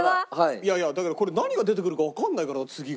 いやいやだけどこれ何が出てくるかわからないから次が。